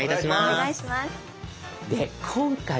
お願いします。